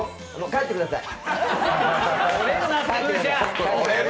帰ってください。